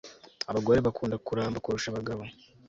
Abagore bakunda kuramba kurusha abagabo